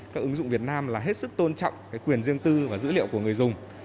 các ứng dụng việt nam là hết sức tôn trọng quyền riêng tư và dữ liệu của người dùng